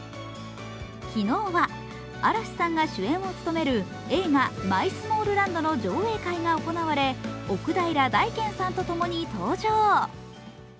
昨日は、嵐さんが主演を務める映画「マイスモールランド」の上映会が行われ奥平大兼さんと共に登場。